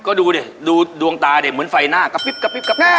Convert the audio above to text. ก็ดูดิดวงตาเหมือนไฟหน้าการกลับ